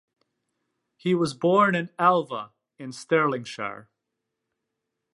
He was born at Alva, in Stirlingshire.